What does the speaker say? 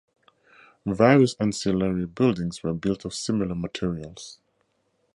Various ancillary buildings were built of similar materials.